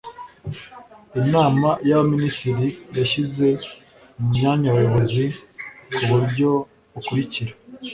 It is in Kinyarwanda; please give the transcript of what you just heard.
inama y'abaminisitiri yashyize mu myanya abayobozi ku buryo bukurikira